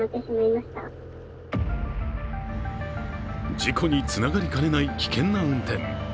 事故につながりかねない危険な運転。